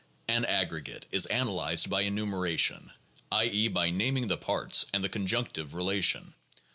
An aggregate is analyzed by enumeration, i. e., by naming the parts and the conjunctive relation.